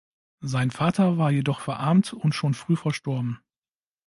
Sein Vater war jedoch verarmt und schon früh verstorben.